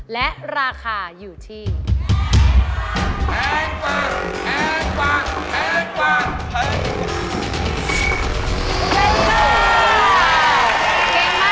และราคาอยู่ที่แพงกว่าแพงกว่า